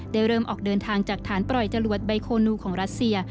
เริ่มออกเดินทางจากฐานปล่อยจรวดไบโคนูของรัสเซีย